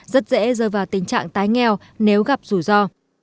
rất dễ rơi vào tình trạng tái nghèo nếu gặp rủi ro